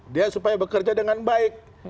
dia supaya bekerja dengan baik